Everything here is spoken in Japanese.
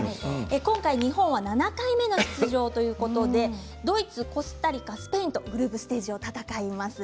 今回、日本は７回目の出場ということでドイツ、コスタリカ、スペインとグループステージを戦います。